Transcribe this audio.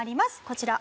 こちら。